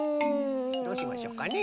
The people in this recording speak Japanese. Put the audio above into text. どうしましょうかね？